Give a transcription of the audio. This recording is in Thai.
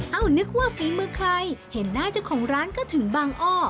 นึกว่าฝีมือใครเห็นหน้าเจ้าของร้านก็ถึงบางอ้อ